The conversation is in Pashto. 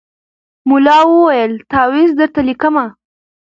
ملا وویل تعویذ درته لیکمه